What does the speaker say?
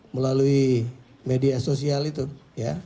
melalui media sosial itu ya